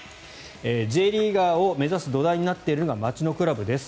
Ｊリーガーを目指す土台になっているのは街のクラブです。